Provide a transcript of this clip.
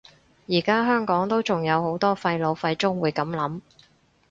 而家香港都仲有好多廢老廢中會噉諗